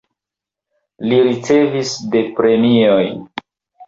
Li ricevis de premiojn.